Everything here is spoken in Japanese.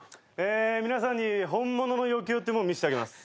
皆さんに本物の余興ってもん見せてあげます。